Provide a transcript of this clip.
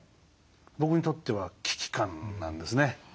僕にとっては危機感なんですね。